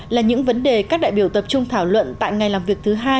là những vấn đề các đại biểu tập trung thảo luận tại ngày làm việc thứ hai